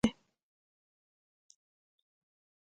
هو، ډیر کار دی